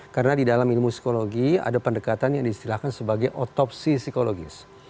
karena di dalam ilmu psikologi ada pendekatan yang disitulahkan sebagai otopsi psikologis